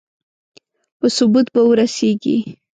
په ثبوت به ورسېږي.